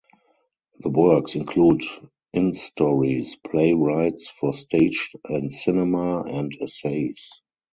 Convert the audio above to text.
The works include in stories, playwrights for stage and cinema, and essays.